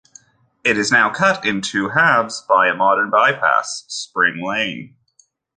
It is now cut into two-halves by a modern bypass, Spring Lane.